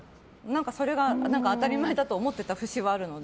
それが当たり前だと思っていた節はあるので。